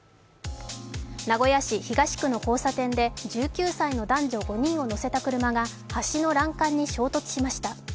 名古屋市東区の交差点で、１９歳の男女５人を乗せた車が橋の欄干に衝突しました。